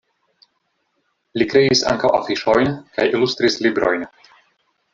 Li kreis ankaŭ afiŝojn kaj ilustris librojn.